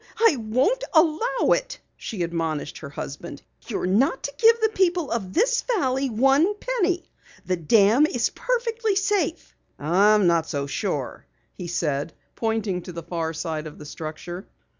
I won't allow it!" she admonished her husband. "You're not to give the people of this valley one penny! The dam is perfectly safe." "I'm not so sure," he said, pointing to the far side of the structure.